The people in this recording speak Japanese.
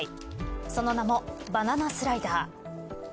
その名も、バナナスライダー。